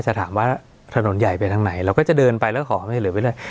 จะถามว่าถนนใหญ่เป็นทางไหนเราก็จะเดินไปแล้วขอความช่วยเหลือไว้เลย